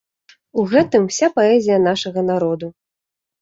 У гэтым уся паэзія нашага народу.